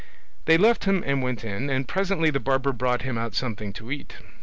They left him and went in, and presently the barber brought him out something to eat.